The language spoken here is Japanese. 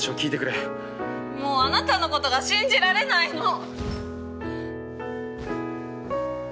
もうあなたのことが信じられないの！